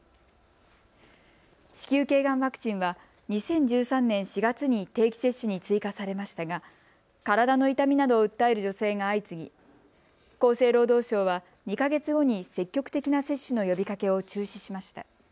子宮頸がんワクチンは２０１３年４月に定期接種に追加されましたが体の痛みなどを訴える女性が相次ぎ厚生労働省は２か月後に積極的な接種の呼びかけを中止しました。